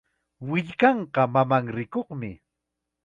Willkanqa mamanrikuqmi.